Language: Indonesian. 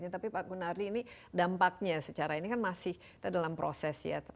tapi pak gunardi ini dampaknya secara ini kan masih kita dalam proses ya